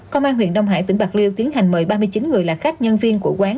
công an huyện đông hải tỉnh bạc liêu tiến hành mời ba mươi chín người là khách nhân viên của quán